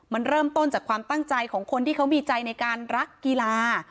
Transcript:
มันเริ่มต้นจากความตั้งใจของคนที่เขามีใจในการรักกีฬา